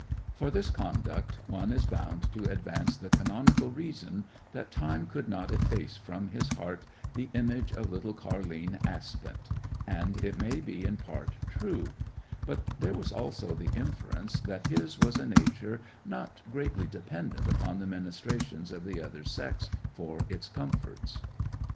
For this conduct one is bound to advance the canonical reason that time could not efface from his heart the image of little Car'line Aspent—and it may be in part true; but there was also the inference that his was a nature not greatly dependent upon the ministrations of the other sex for its comforts.